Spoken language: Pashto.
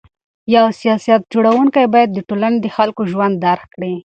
یو سیاست جوړونکی باید د ټولني د خلکو ژوند درک کړي.